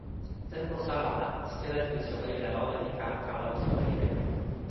tenpo sama la, sitelen pi soweli Lawawa li kama tawa soweli Lenja.